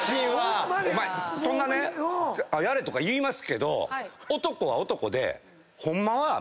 そんなね「やれ」とか言いますけど男は男で。